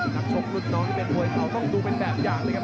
นักชกรุ่นน้องที่เป็นมวยเก่าต้องดูเป็นแบบอย่างเลยครับ